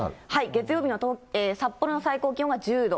月曜日の札幌の最高気温が１０度。